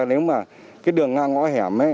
nếu mà cái đường ngang ngõ hẻm